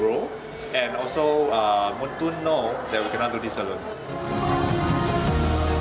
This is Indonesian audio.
dan juga muntun tahu bahwa kita tidak bisa melakukan ini sendiri